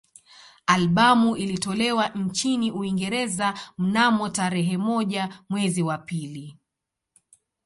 Albamu ilitolewa nchini Uingereza mnamo tarehe moja mwezi wa pili